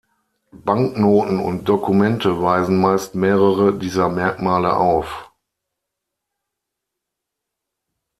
Banknoten und Dokumente weisen meist mehrere dieser Merkmale auf.